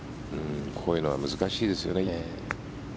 こういうのは難しいですよね。